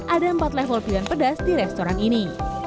ada empat level pilihan pedas di restoran ini